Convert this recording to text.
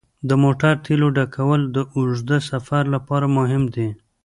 د موټر تیلو ډکول د اوږده سفر لپاره مهم دي.